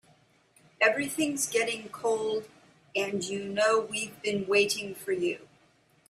Everything's getting cold and you know we've been waiting for you.